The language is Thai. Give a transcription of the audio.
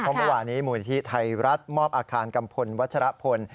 เพราะเมื่อวานี้มูลนิธิไทยรัฐมอบอาคารกัมพลวัชรพล